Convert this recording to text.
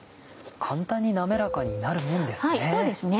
簡単に滑らかになるもんですね。